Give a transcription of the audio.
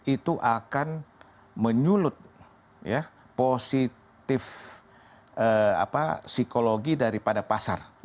itu akan menyulut ya positif apa psikologi daripada pasar